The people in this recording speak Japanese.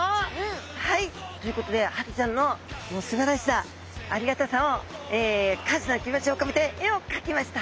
はいということでハタちゃんのすばらしさありがたさを感謝の気持ちを込めて絵を描きました。